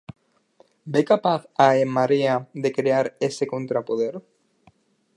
Ve capaz a En Marea de crear ese contrapoder?